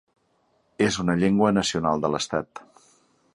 És una llengua nacional de l'Estat.